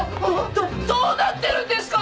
どどうなってるんですか！？